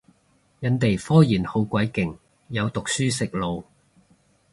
人哋科研好鬼勁，有讀書食腦